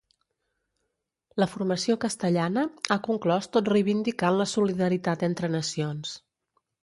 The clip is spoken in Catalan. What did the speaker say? La formació castellana ha conclòs tot reivindicant la solidaritat entre nacions.